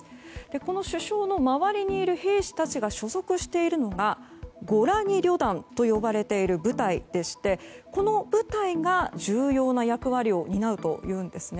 この首相の周りにいる兵士たちが所属しているのがゴラニ旅団と呼ばれている部隊でしてこの部隊が重要な役割を担うというんですね。